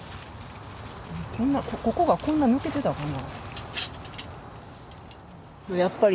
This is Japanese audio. ここがこんな抜けてたかな。